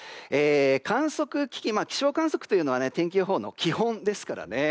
観測機器、気象観測というのは天気予報の基本ですからね。